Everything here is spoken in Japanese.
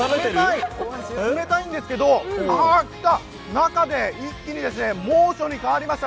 冷たいんですけど中で一気に猛暑に変わりました。